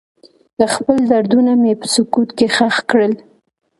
خپل دردونه مې په سکوت کې ښخ کړل.